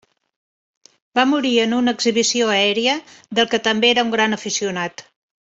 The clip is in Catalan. Va morir en una exhibició aèria, del que també era un gran aficionat.